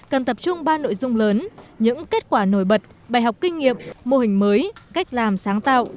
cần tập trung ba nội dung lớn những kết quả nổi bật bài học kinh nghiệm mô hình mới cách làm sáng tạo